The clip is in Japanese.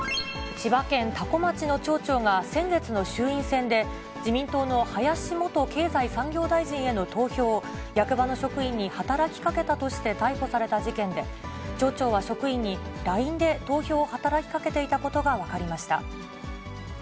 千葉県多古町の町長が先月の衆院選で、自民党の林元経済産業大臣への投票を役場の職員に働きかけたとして逮捕された事件で、町長は職員にＬＩＮＥで投票を働きかけていたことが分かりました。